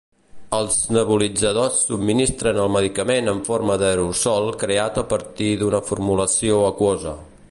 Els nebulitzadors subministren el medicament en forma d'aerosol creat a partir d'una formulació aquosa.